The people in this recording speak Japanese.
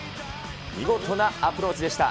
見事なアプローチでした。